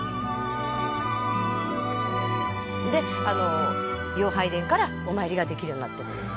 「であの遙拝殿からお参りができるようになってるんです」